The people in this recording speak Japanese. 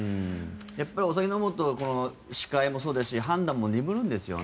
お酒を飲むと視界もそうですし判断も鈍るんですよね。